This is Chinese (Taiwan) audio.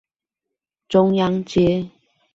中央街